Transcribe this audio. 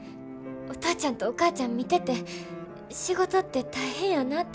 お父ちゃんとお母ちゃん見てて仕事って大変やなて思った。